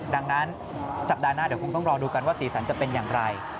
ดังนั้นสัปดาห์หน้าเดี๋ยวคงต้องรอดูกันว่าสีสันจะเป็นอย่างไร